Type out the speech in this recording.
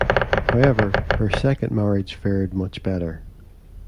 However, her second marriage fared much better.